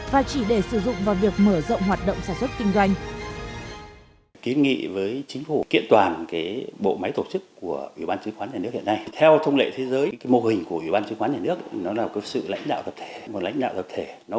và chỉ để sử dụng vào việc mở rộng hoạt động sản xuất kinh doanh